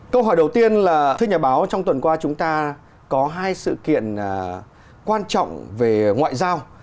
câu hỏi đầu tiên là thưa nhà báo trong tuần qua chúng ta có hai sự kiện quan trọng về ngoại giao